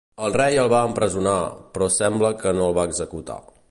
El rei el va empresonar, però sembla que no el va executar.